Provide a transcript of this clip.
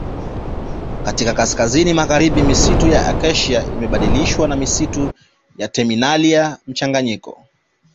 Katika kaskazini magharibi misitu ya Acacia imebadilishwa na misitu ya Terminalia mchanganyiko